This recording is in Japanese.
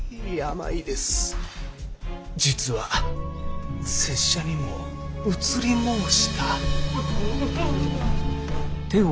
実は拙者にもうつりもうした。